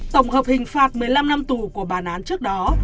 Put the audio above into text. tổng hợp hình phạt một mươi năm năm tù của bản án trước đó